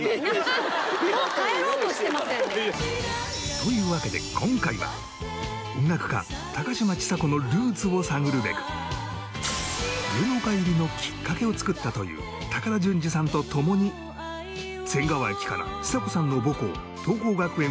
というわけで今回は音楽家高嶋ちさ子のルーツを探るべく芸能界入りのきっかけを作ったという高田純次さんと共に仙川駅からちさ子さんの母校桐朋学園を目指し